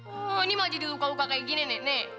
oh ini malah jadi luka luka kayak gini nek